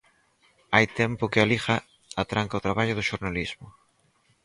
Hai tempo que a Liga atranca o traballo do xornalismo.